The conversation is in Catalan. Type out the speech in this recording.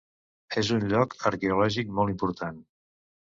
És un lloc arqueològic molt important.